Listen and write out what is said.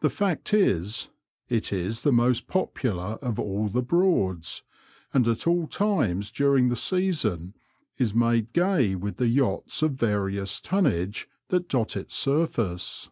The fact is, it is the most popular of all the Broads, and at all times during the season is made gay with the yachts of various tonnage that dot its surface.